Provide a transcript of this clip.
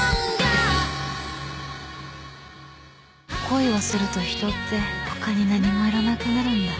恋をすると人って他に何もいらなくなるんだ。